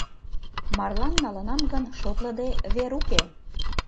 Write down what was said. Марлан налынам гын, шотлыде вер уке.